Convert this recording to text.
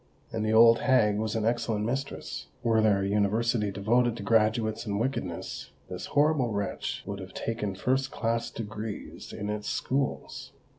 And the old hag was an excellent mistress: were there an University devoted to graduates in Wickedness, this horrible wretch would have taken first class Degrees in its schools.